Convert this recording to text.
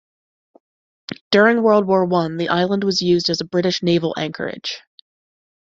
During World War One, the island was used as a British naval anchorage.